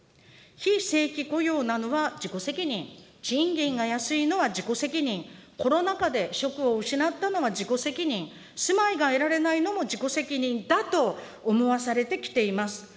非正規雇用なのは自己責任、賃金が安いのは自己責任、コロナ禍で職を失ったのは自己責任、住まいが得られないのも自己責任だと思わされてきています。